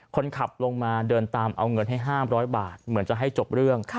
คนขับลงมาเดินตามเอาเงินให้๕๐๐บาทเหมือนจะให้จบเรื่อง